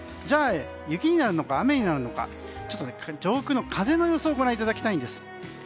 じゃあ雪になるのか雨になるのか上空の風の予想をご覧いただきたいんです。